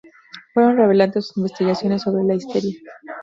Fueron relevantes sus investigaciones sobre la histeria.